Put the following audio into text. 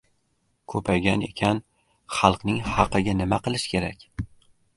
—Ko‘paygan ekan, xalqning haqiga nima qilish kerak?